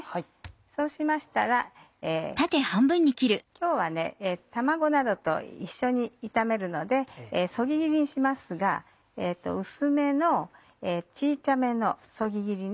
そうしましたら今日は卵などと一緒に炒めるのでそぎ切りにしますが薄めの小さめのそぎ切りね。